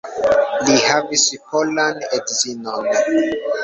Li havis polan edzinon.